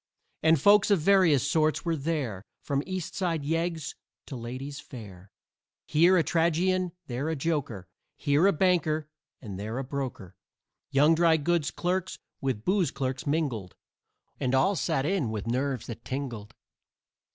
And folks of various sorts were there From East Side yeggs to ladies fair; Here a tragedian, there a joker, Here a banker and there a broker. Young dry goods clerks with booze clerks mingled, And all sat in with nerves that tingled.